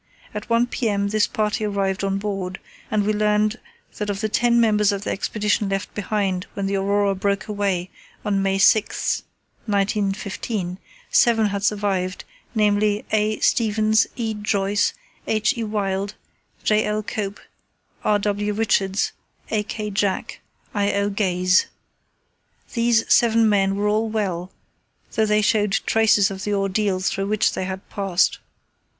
At 1 p.m. this party arrived on board, and we learned that of the ten members of the Expedition left behind when the Aurora broke away on May 6, 1915, seven had survived, namely, A. Stevens, E. Joyce, H. E. Wild, J. L. Cope, R. W. Richards, A. K. Jack, I. O. Gaze. These seven men were all well, though they showed traces of the ordeal through which they had passed.